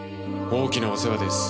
大きなお世話です。